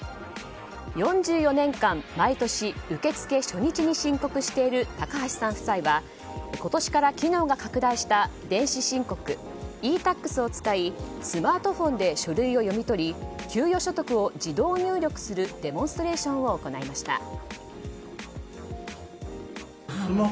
４４年間、毎年受け付け初日に申告している高橋さん夫妻は今年から機能が拡大した電子申告ｅ‐Ｔａｘを使いスマートフォンで書類を読み取り給与所得を自動入力するデモンストレーションを行いました。